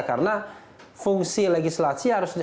karena fungsi legislasi harus diatur